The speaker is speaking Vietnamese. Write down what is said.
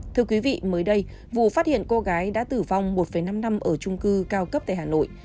thưa quý vị mới đây vụ phát hiện cô gái đã tử vong một năm năm ở trung cư cao cấp tại hà nội